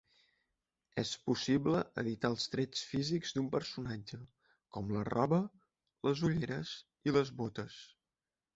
Es possible editar els trets físics d'un personatge, com la roba, les ulleres i les botes.